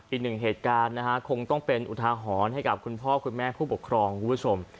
อีกหนึ่งเหตุการณ์นะฮะคงต้องเป็นอุทาหรณ์ให้กับคุณพ่อคุณแม่ผู้ปกครองคุณผู้ชม